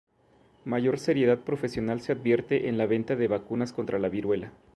Mayor seriedad profesional se advierte en la venta de vacunas contra la viruela.